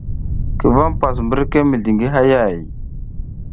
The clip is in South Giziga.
Ki vam hipas mbirke mizliy ngi hayay ?